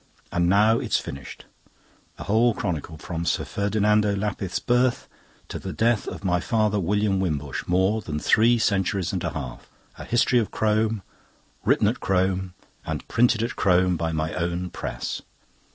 And now it's finished the whole chronicle, from Sir Ferdinando Lapith's birth to the death of my father William Wimbush more than three centuries and a half: a history of Crome, written at Crome, and printed at Crome by my own press."